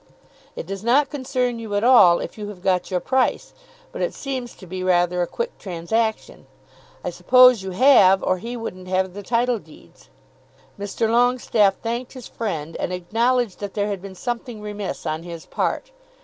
It does not concern you at all if you have got your price. But it seems to be rather a quick transaction. I suppose you have, or he wouldn't have the title deeds." Mr. Longestaffe thanked his friend, and acknowledged that there had been something remiss on his part.